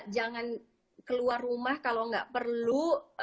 jangan keluar rumah kalau nggak perlu